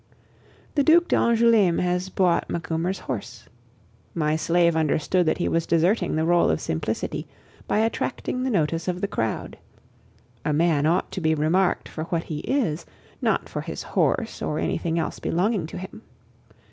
The Duc d'Angouleme has bought Macumer's horse. My slave understood that he was deserting the role of simplicity by attracting the notice of the crowd. A man ought to be remarked for what he is, not for his horse, or anything else belonging to him.